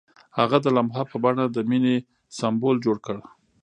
هغه د لمحه په بڼه د مینې سمبول جوړ کړ.